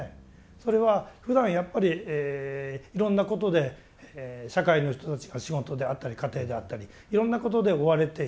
それはふだんやっぱりいろんなことで社会の人たちが仕事であったり家庭であったりいろんなことで追われている。